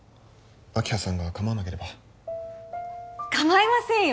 明葉さんが構わなければ構いませんよ